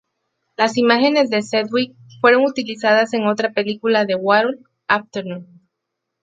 Las imágenes de Sedgwick fueron utilizadas en otra película de Warhol; "Afternoon".